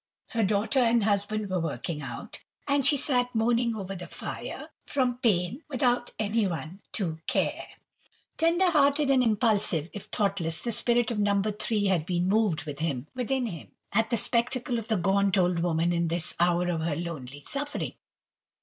Her daughter and husband were working out, and she sat moaning over the fire, from pain, without anybody to care! Tender hearted and impulsive, if thoughtless, the spirit of No. 3 had been moved within him at the spectacle of the gaunt old woman in this hour of her lonely suffering.